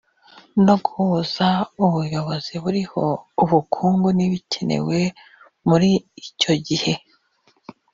no guhuza ubuyozi buriho ubukungu n ibikenewe muri icyo gihe